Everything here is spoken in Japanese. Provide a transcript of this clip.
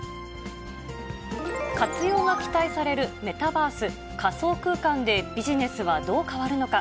活用が期待されるメタバース、仮想空間でビジネスはどう変わるのか。